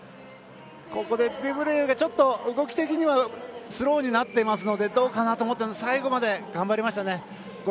ここでデュブレイユが動き的にはスローになっていますのでどうかなと思ったんですが最後まで頑張りましたね。